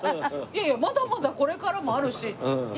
いやいやまだまだこれからもあるしって。